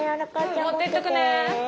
うん持ってっとくね。